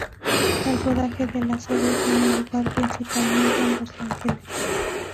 El rodaje de la serie tiene lugar principalmente en Los Ángeles.